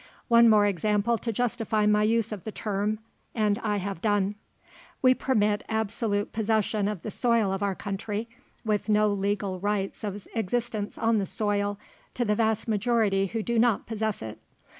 One more example to justify my use of the term, and I have done. We permit absolute possession of the soil of our country, with no legal rights of existence on the soil, to the vast majority who do not possess it.